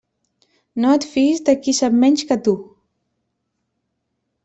No et fiïs de qui sap menys que tu.